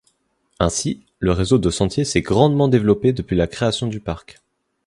Ainsi, le réseau de sentiers s’est grandement développé depuis la création du parc.